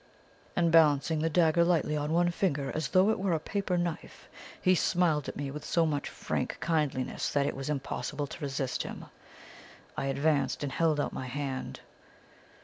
"And, balancing the dagger lightly on one finger, as though it were a paper knife, he smiled at me with so much frank kindliness that it was impossible to resist him. I advanced and held out my hand.